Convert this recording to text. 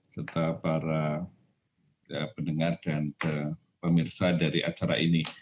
serta para pendengar dan pemirsa dari acara ini